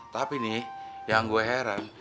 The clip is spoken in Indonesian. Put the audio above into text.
tapi nih yang gue heran